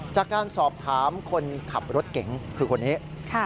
จากการสอบถามคนขับรถเก๋งคือคนนี้